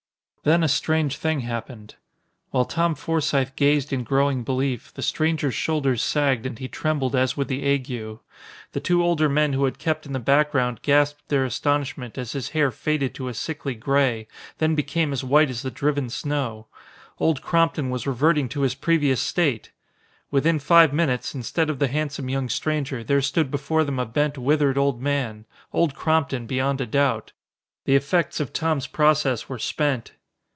Then a strange thing happened. While Tom Forsythe gazed in growing belief, the stranger's shoulders sagged and he trembled as with the ague. The two older men who had kept in the background gasped their astonishment as his hair faded to a sickly gray, then became as white as the driven snow. Old Crompton was reverting to his previous state! Within five minutes, instead of the handsome young stranger, there stood before them a bent, withered old man Old Crompton beyond a doubt. The effects of Tom's process were spent.